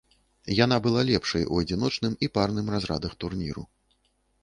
Яна была лепшай у адзіночным і парным разрадах турніру.